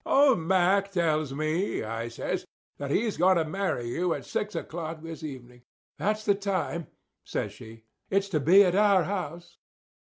"Old Mack tells me," I says, "that he's going to marry you at six o'clock this evening." "That's the time," says she. "It's to be at our house."